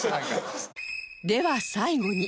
では最後に